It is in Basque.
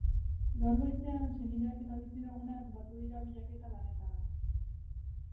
Gaur goizean senideak eta bizilagunak batu dira bilaketa lanetara.